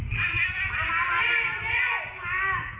พวกนี้